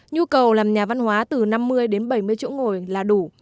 nhu cầu làm nhà văn hóa từ năm mươi đến bảy mươi chỗ ngồi là đủ